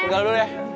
tunggal dulu ya